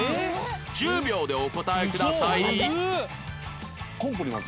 １０秒でお答えくださいウソ？